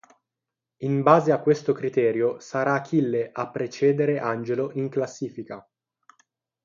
In base a questo criterio, sarà Achille a precedere Angelo in classifica.